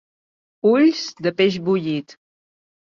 Ulls de peix bullit.